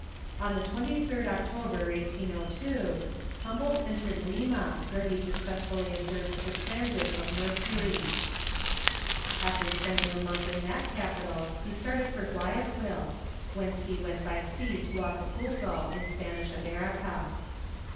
On the 23rd October, 1802, Humboldt entered Lima, where he successfully observed the transit of Mercury. After spending a month in that capital he started for Guayaquil, whence he went by sea to Acapulco in Spanish America.